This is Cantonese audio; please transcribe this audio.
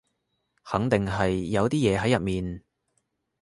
肯定係有啲嘢喺入面